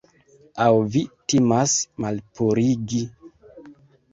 Aŭ vi timas malpurigi?